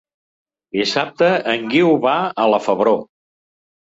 Dissabte en Guiu va a la Febró.